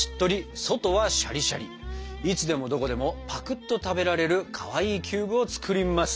いつでもどこでもぱくっと食べられるかわいいキューブを作ります！